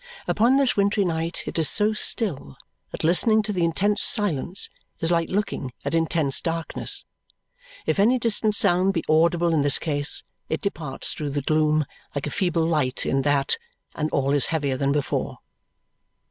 Upon this wintry night it is so still that listening to the intense silence is like looking at intense darkness. If any distant sound be audible in this case, it departs through the gloom like a feeble light in that, and all is heavier than before.